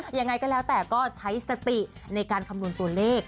ยังไงก็แล้วแต่ก็ใช้สติในการคำนวณตัวเลข